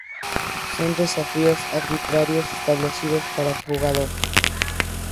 Son desafíos arbitrarios establecidos para el jugador.